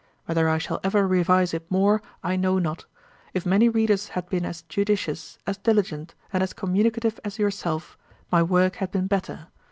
Whether I shall ever revise it more, I know not. If many readers had been as judicious, as diligent, and as communicative as yourself, my work had been better.